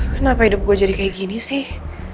kenapa hidup gue jadi kayak gini sih